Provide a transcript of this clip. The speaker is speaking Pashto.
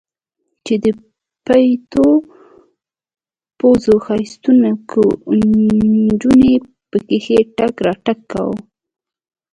چې د پيتو پوزو ښايستوکو نجونو پکښې تګ راتګ کاوه.